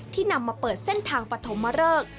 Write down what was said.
ที่นำมาเปิดเส้นทางปฐมเมอร์เลิก